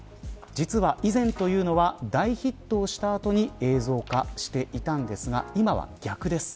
実は以前というのは大ヒットをした後に映像化していたんですが今は逆です。